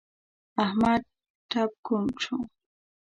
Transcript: احمد ټپ کوڼ شو.